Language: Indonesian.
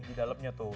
di dalamnya tuh